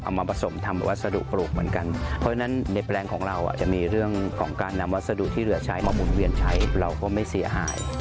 มาผสมทำวัสดุปลูกเหมือนกันเพราะฉะนั้นในแปลงของเราจะมีเรื่องของการนำวัสดุที่เหลือใช้มาหมุนเวียนใช้เราก็ไม่เสียหาย